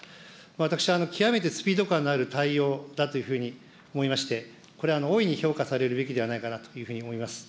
私、極めてスピード感のある対応だというふうに思いまして、これ、大いに評価されるべきではないかなというふうに思います。